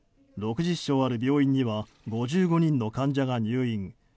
６０床ある病院には５５人の患者が入院。